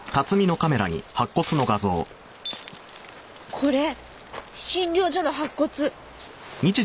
これ診療所の白骨。